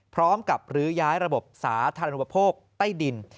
พร้อมกับรื้อย้ายระบบสาธารณบุพกษ์ใต้ดิน